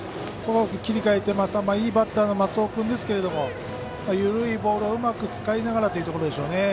ここを切り替えていいバッターの松尾君ですけど緩いボールをうまく使いながらというところでしょうね。